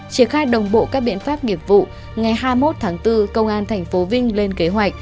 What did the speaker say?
triển khai đồng bộ các biện pháp nghiệp vụ ngày hai mươi một tháng bốn công an tp vinh lên kế hoạch